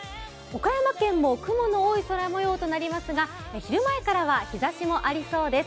岡山県の雲の多い空となりそうですが、昼前からは日ざしもありそうです。